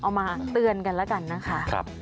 เอามาเตือนกันแล้วกันนะคะ